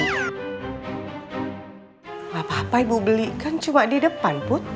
tidak apa apa ibu beli kan cuma di depan put